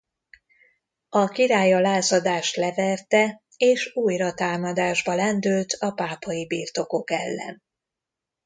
A király a lázadást leverte és újra támadásba lendült a pápai birtokok ellen.